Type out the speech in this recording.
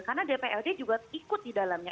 karena dprd juga ikut di dalamnya